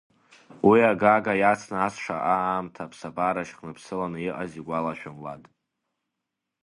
Уи агага иацны ас шаҟа аамҭа аԥсабара шьхынԥсыланы иҟаз игәалашәом Лад.